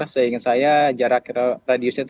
sehingga saya jarak radiusnya itu delapan ratus